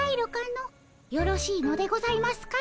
よろしいのでございますか？